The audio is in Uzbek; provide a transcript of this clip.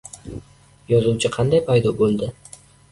Yozuvchi qanday paydo bo‘ladi?